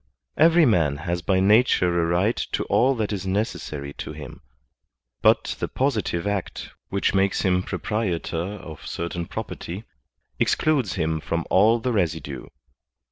Every man has by nature a right to all that is necessary to him; but the positive act which makes him proprietor of certain property REAL PROPERTY 19 excludes him from all the residue.